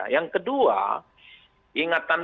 yang kedua ingatan